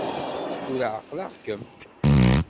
Tura ɛeqleɣ-kem!